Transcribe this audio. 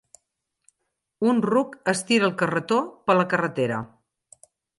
Un ruc estira el carretó per la carretera.